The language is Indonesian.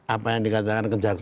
apa yang dikatakan